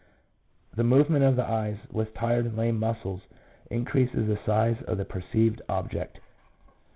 The movement of the eyes with tired and lame muscles increases the size of the perceived object, 1 and from 1 G.